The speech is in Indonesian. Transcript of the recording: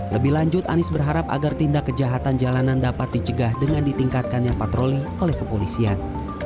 lebih lanjut anies berharap agar tindak kejahatan jalanan dapat dicegah dengan ditingkatkannya patroli oleh kepolisian